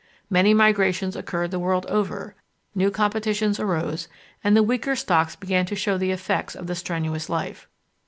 "Many migrations occurred the world over, new competitions arose, and the weaker stocks began to show the effects of the strenuous life.